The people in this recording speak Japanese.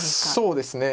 そうですね。